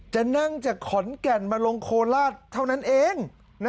จะนั่งจากขอนแก่นมาลงโคราชเท่านั้นเอง